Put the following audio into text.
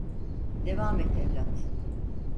Devam et, evlat.